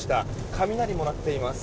雷も鳴っています。